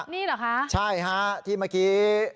นี่เหรอคะใช่ฮะที่เมื่อกี้